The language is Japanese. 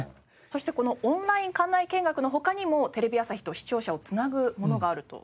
そしてこのオンライン館内見学の他にもテレビ朝日と視聴者を繋ぐものがあると。